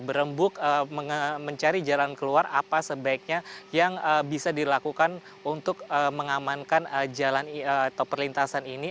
berbicara berembuk mencari jalan keluar apa sebaiknya yang bisa dilakukan untuk mengamankan perlintasan ini